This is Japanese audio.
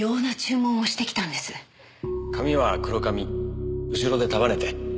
髪は黒髪後ろで束ねて。